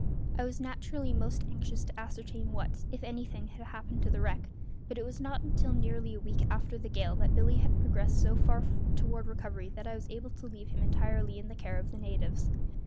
I was naturally most anxious to ascertain what, if anything had happened to the wreck, but it was not until nearly a week after the gale that Billy had progressed so far toward recovery that I was able to leave him entirely to the care of the natives.